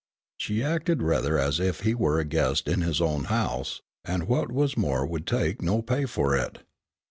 She acted rather as if he were a guest in his own house, and what was more would take no pay for it.